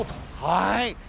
はい。